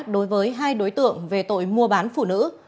đối với hai đối tượng về tội mua bán phụ nữ